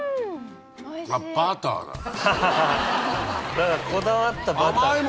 だからこだわったバター。